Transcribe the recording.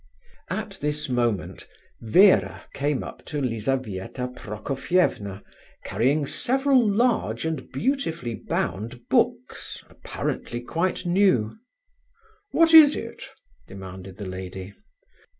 At this moment Vera came up to Lizabetha Prokofievna, carrying several large and beautifully bound books, apparently quite new. "What is it?" demanded the lady.